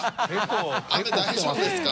雨大丈夫ですか？